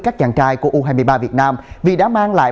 rất tuyệt vời